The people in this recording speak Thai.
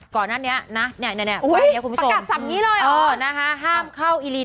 ก่อนนั้นนี้นะเนี่ย